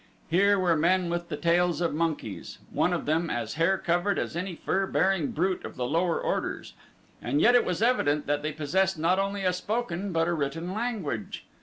Here were men with the tails of monkeys, one of them as hair covered as any fur bearing brute of the lower orders, and yet it was evident that they possessed not only a spoken, but a written language.